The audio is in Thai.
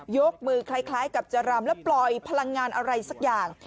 ยกมือคล้ายกับจะรำและปล่อยพลังงานอะไรสักอย่าง